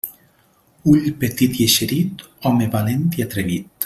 Ull petit i eixerit, home valent i atrevit.